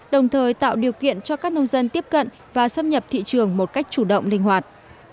đồng thời tạo điều kiện cho các nông dân tiếp cận và xâm nhập thị trường một cách chủ động linh hoạt